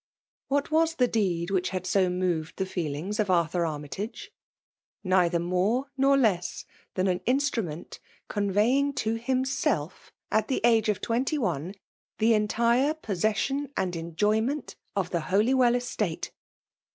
— Wiiat waa the deed which had so moved the foelings of Ar£bur Anoytage? Neither mcore nor less thna an iastrumeat ooa^ 9^q^inip to huBtdf^ at the ag« of twenty diet^ the entire posaeaaion and enjoyment of the Holjrwc^ estaie.